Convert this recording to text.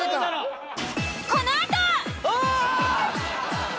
このあと！